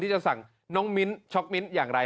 ที่จะสั่งน้องมิ้นช็อกมิ้นช็อกมิ้นต์อย่างไร